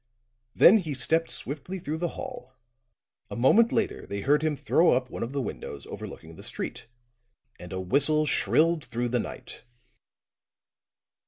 Then he stepped swiftly through the hall; a moment later they heard him throw up one of the windows overlooking the street, and a whistle shrilled through the night.